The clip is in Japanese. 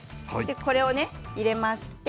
これをね、入れまして。